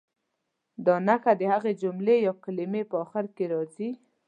دا نښه د هغې جملې یا کلمې په اخر کې راځي.